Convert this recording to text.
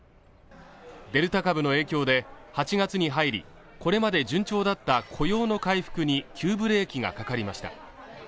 デルタ株の影響で８月に入りこれまで順調だった雇用の回復に急ブレーキがかかりました